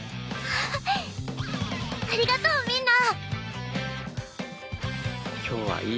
ありがとうみんな！